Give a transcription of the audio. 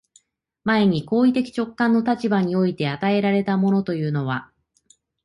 前に行為的直観の立場において与えられたものというのは、